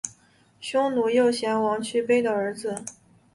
匈奴右贤王去卑的儿子。